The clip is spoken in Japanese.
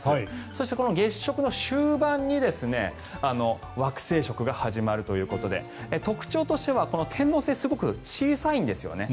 そして月食の終盤に惑星食が始まるということで特徴としては天王星すごく小さいんですよね。